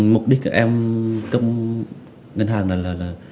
mục đích em cướp ngân hàng là